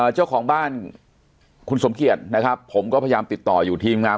เจ้าของบ้านคุณสมเกียจนะครับผมก็พยายามติดต่ออยู่ทีมงาน